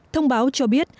thông báo cho biết